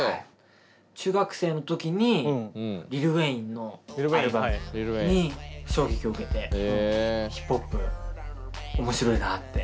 中学生の時にリル・ウェインのアルバムに衝撃を受けてヒップホップ面白いなって。